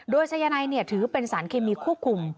โดยสายนายถือเป็นสารเคมีควบคุม